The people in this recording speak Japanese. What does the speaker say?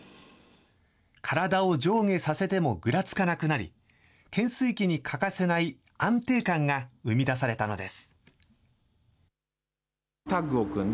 体を上下させてもぐらつかなくなり、懸垂器に欠かせない安定感が生み出されたのです。